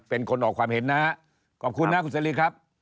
เป็นคนออกความเห็นนะฮะขอบคุณนะคุณเสรีครับ